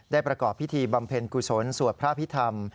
ประกอบพิธีบำเพ็ญกุศลสวดพระพิธรรม